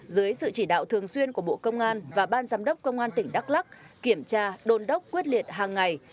dưới sự chỉ đạo thường xuyên của bộ công an và ban giám đốc công an tỉnh đắk lắc kiểm tra đôn đốc quyết liệt hàng ngày